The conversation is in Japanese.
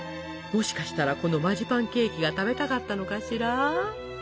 もしかしたらこのマジパンケーキが食べたかったのかしら？